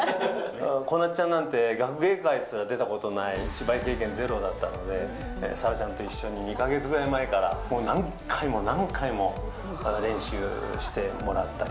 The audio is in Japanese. こなつちゃんなんて、学芸会すら出たことない、芝居経験ゼロだったので、颯良ちゃんと一緒に２か月ぐらい前から、何回も何回も練習してもらったり。